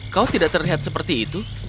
kau tidak terlihat seperti itu